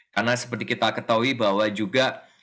karena seperti kita ketahui bahwa juga